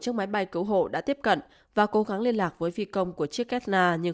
chiếc máy bay cứu hộ đã tiếp cận và cố gắng liên lạc với phi công của chiếc keta nhưng